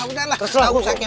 udah lah gak usah kepok